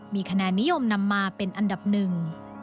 มีคะแนนนิยมนำมาเป็นอันดับหนึ่ง